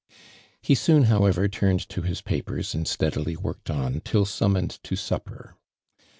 He soon howe' er turned to his papers and steadily worked on till summoned to •upper.